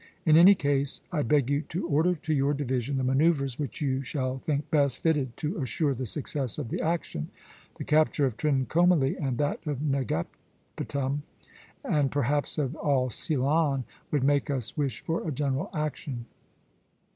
In any case, I beg you to order to your division the manoeuvres which you shall think best fitted to assure the success of the action. The capture of Trincomalee and that of Negapatam, and perhaps of all Ceylon, should make us wish for a general action."